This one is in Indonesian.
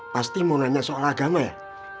pasti mau nanya soal agama ya